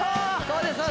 そうです